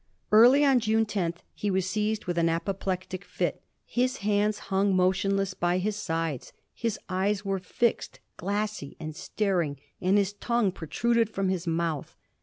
Early on June 10 he was seized with an apoplectic fit ; his hands hung motionless by his sides, his eyes were fixed, glassy, and staring, and his tongue protruded from his mouth.